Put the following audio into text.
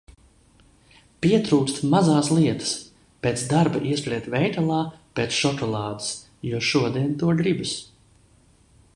Pietrūkst mazās lietas. Pēc darba ieskriet veikalā pēc šokolādes, jo šodien to gribas.